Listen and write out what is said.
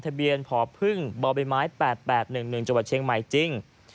ทะเบียนพพึ่งบไม๘๘๑๑จเชียงใหม่จริง